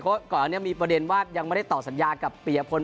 เพราะก่อนอันนี้มีประเด็นว่ายังไม่ได้ต่อสัญญากับปียพล